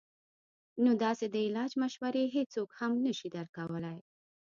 نو داسې د علاج مشورې هيڅوک هم نشي درکولے -